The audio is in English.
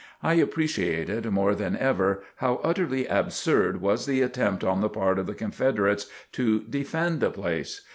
I appreciated more than ever how utterly absurd was the attempt on the part of the Confederates to defend the place!